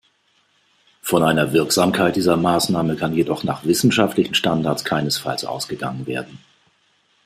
Von einer Wirksamkeit dieser „Maßnahme“ kann jedoch nach wissenschaftlichen Standards keinesfalls ausgegangen werden.